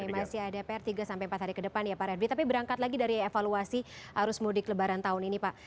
masih ada pr tiga sampai empat hari ke depan ya pak reddy tapi berangkat lagi dari evaluasi arus mudik lebaran tahun ini pak